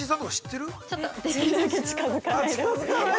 ◆ちょっとできるだけ近づかないでほしい。